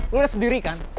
lo udah sendiri kan